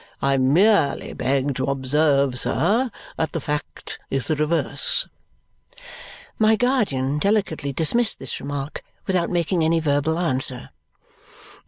I merely beg to observe, sir, that the fact is the reverse." My guardian delicately dismissed this remark without making any verbal answer.